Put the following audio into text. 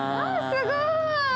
すごい！